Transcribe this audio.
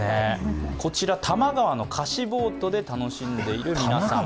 こちら多摩川の貸しボートで楽しんでいる皆さん。